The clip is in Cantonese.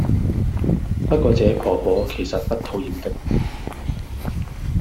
不過這婆婆其實不討厭的